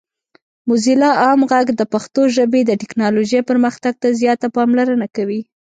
موزیلا عام غږ د پښتو ژبې د ټیکنالوجۍ پرمختګ ته زیاته پاملرنه کوي.